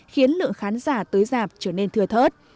khiến lượng khán giả tới rạp trở nên thừa thấu